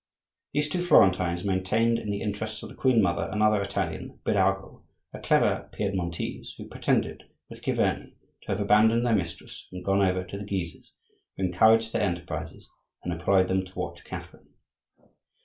These two Florentines maintained in the interests of the queen mother another Italian, Birago,—a clever Piedmontese, who pretended, with Chiverni, to have abandoned their mistress, and gone over to the Guises, who encouraged their enterprises and employed them to watch Catherine.